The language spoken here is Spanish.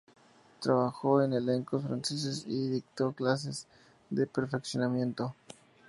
Trabajó en elencos franceses y dictó clases de perfeccionamiento.